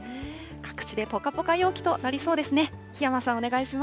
各地でぽかぽか陽気となりそうですね。